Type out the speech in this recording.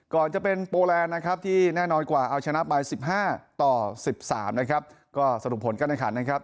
ก่อนจะเป็นโปแลนด์นะครับที่แน่นอนกว่าเอาชนะไป๑๕ต่อ๑๓นะครับก็สรุปผลการแข่งขันนะครับ